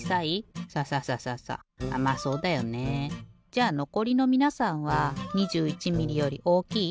じゃのこりのみなさんは２１ミリより大きい？